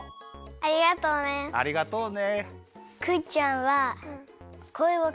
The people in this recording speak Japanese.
あありがとうね。